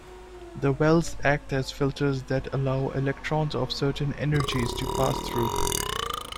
The wells act as filters that allow electrons of certain energies to pass through.